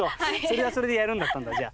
それはそれでやるんだったんだ。